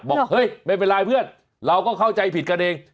บอกเฮ้ยไม่เป็นไรเพื่อนเราก็เข้าใจผิดกันเอง